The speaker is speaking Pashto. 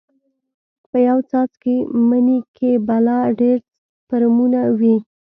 په يو څاڅکي مني کښې بلا ډېر سپرمونه وي.